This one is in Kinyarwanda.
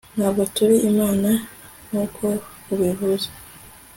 Ntabwo turi imana een nkuko ubivuze